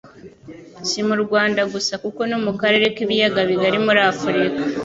Si mu Rwanda gusa kuko no mu karere k'ibiyaga bigari muri Afurika